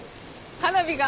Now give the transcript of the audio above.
花火が。